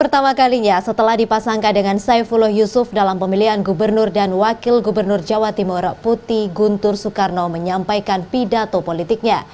pertama kalinya setelah dipasangkan dengan saifullah yusuf dalam pemilihan gubernur dan wakil gubernur jawa timur putih guntur soekarno menyampaikan pidato politiknya